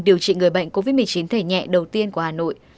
điều trị người bệnh covid một mươi chín thể nhẹ đầu tiên của hà nội